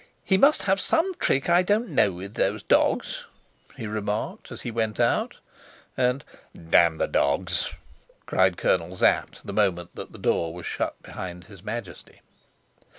"He must have some trick I don't know with those dogs," he remarked, as he went out. And "Damn the dogs!" cried Colonel Sapt the moment that the door was shut behind his Majesty.